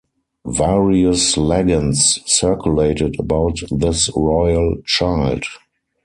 Various legends circulated about this royal child.